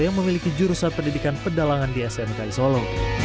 yang memiliki jurusan pendidikan pedalangan di smki solo